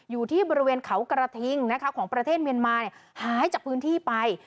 อยู่ที่บริเวณเขากระทิงนะคะของประเทศเมียนมาหายจากพื้นที่ไป